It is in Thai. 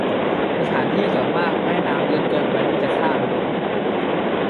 สถานที่ส่วนมาก แม่น้ำลึกเกินไปที่จะข้าม